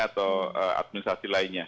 atau administrasi lainnya